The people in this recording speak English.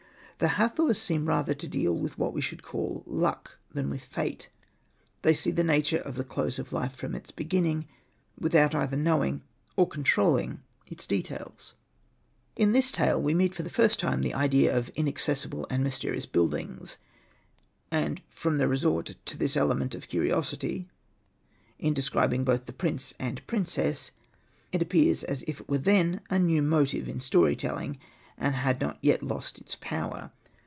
^ The Hathors seem rather to deal with what we should call luck than with fate : they see the nature of the close of life from its beginning, without either knowing or controlling its details.*'' In this tale we meet for the first time the idea of inaccessible and mysterious build ings; and from the resort to this element of curiosity in describing both the prince and the princess, it appears as if it were then a new motive in story telling, and had not lost its power.